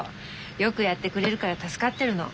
よくやってくれるから助かってるの。